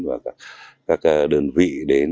và các đơn vị đến